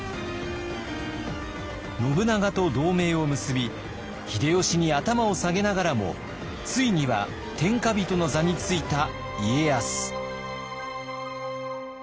信長と同盟を結び秀吉に頭を下げながらもついには天下人の座についた家康。